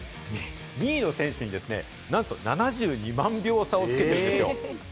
２位の選手、７２万票差をつけているんですよ。